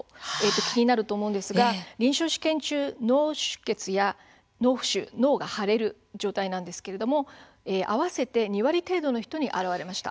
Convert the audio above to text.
気になると思うんですが臨床試験中、脳出血や脳が腫れる脳浮腫合わせて２割程度の人に現れました。